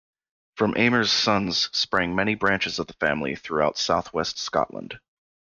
From Aymer's sons sprang many branches of the family throughout south-west Scotland.